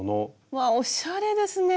うわおしゃれですね。